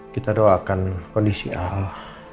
kita doakan kondisi al